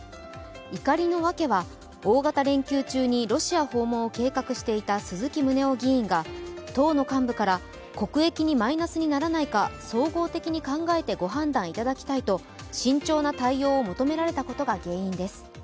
怒りのわけは大型連休中にロシア訪問を計画していた鈴木宗男議員が党の幹部から国益にマイナスにならないか総合的に考えてご判断いただきたいと慎重な対応を求められたことが原因です。